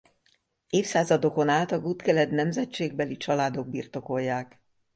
Évszázadokon át a Gutkeled nemzetségbeli családok birtokolják.